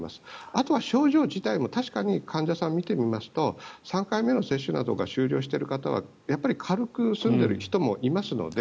あとは、症状自体も確かに患者さんを見てみますと３回目の接種などが終了している方はやっぱり軽く済んでいる人もいますので。